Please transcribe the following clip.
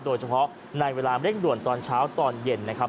โดยเฉพาะในเวลาเร่งด่วนตอนเช้าตอนเย็นนะครับ